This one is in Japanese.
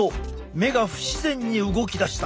目が不自然に動き出した。